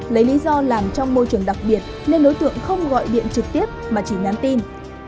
lấy lý do làm trong môi trường đặc biệt nên đối tượng không gọi điện trực tiếp mà chỉ nhắn tin